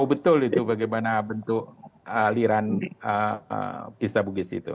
tahu betul itu bagaimana bentuk aliran isa bugis itu